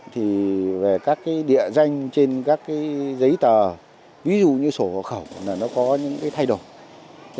thì về các địa danh trên các giấy tờ ví dụ như sổ khẩu nó có những thay đổi